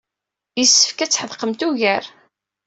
Yessefk ad tḥedqemt ugar.